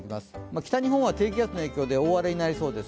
北日本は低気圧の影響で大荒れになりそうです。